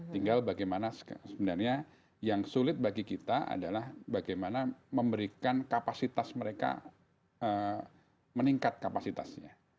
tinggal bagaimana sebenarnya yang sulit bagi kita adalah bagaimana memberikan kapasitas mereka meningkat kapasitasnya